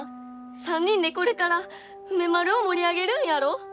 ３人でこれから梅丸を盛り上げるんやろ！